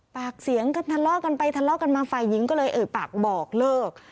ปากเสียงกันทะเลาะกันไปทะเลาะกันมาฝ่ายหญิงก็เลยเอ่ยปากบอกเลิก